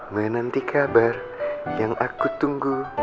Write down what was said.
menanti kabar yang aku tunggu